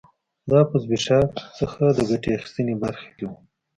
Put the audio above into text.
دا په زبېښاک څخه د ګټې اخیستنې برخه کې و